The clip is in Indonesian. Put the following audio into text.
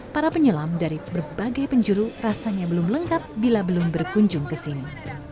para penyelam dari berbagai penjuru rasanya belum lengkap bila belum berkunjung ke sini